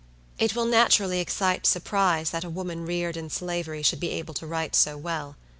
It will naturally excite surprise that a woman reared in Slavery should be able to write so well.